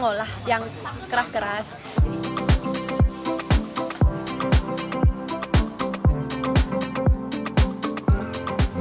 kita sudah menikmati bubur di kota kampung